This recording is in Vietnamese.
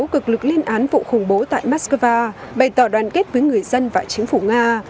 cực lực liên án vụ khủng bố tại moscow bày tỏ đoàn kết với người dân và chính phủ nga